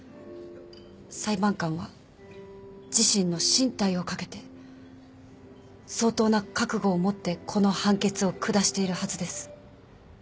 裁判官は自身の進退を懸けて相当な覚悟を持ってこの判決を下しているはずです。